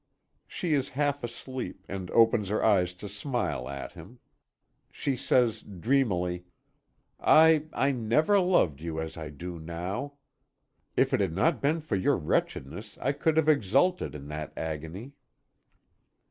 She is half asleep, and opens her eyes to smile at him. She says, dreamily: "I I never loved you as I do now. If it had not been for your wretchedness, I could have exulted in that agony."